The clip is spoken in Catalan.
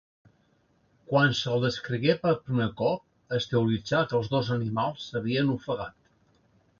Quan se'l descrigué per primer cop, es teoritzà que els dos animals s'havien ofegat.